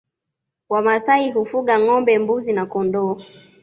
Wamasai hufuga ngombe mbuzi na kondoo